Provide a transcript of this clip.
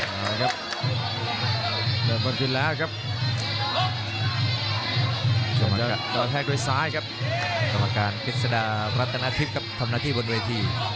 แล้วก็แฟกโดยซ้ายครับสำหรับการกิจสดาปแรตนาทิฟฯคำนาคต์ที่บนเวที่